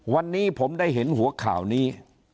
วันนี้ผมได้เห็นหัวข่าวนี้